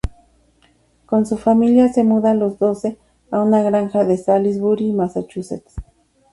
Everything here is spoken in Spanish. Con su familia se muda a los doce a una granja en Salisbury, Massachusetts.